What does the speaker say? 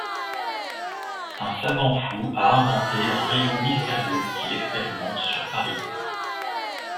Un savant fou a inventé un rayon mystérieux qu'il expérimente sur Paris.